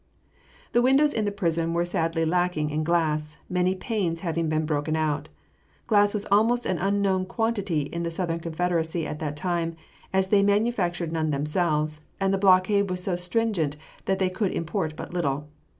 The windows in the prison were sadly lacking in glass, many panes having been broken out. Glass was almost an unknown quantity in the Southern Confederacy at that time, as they manufactured none themselves, and the blockade was so stringent that they could import but little.